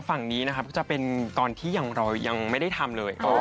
ฝั่งนี้นะครับก็จะเป็นตอนที่เรายังไม่ได้ทำเลย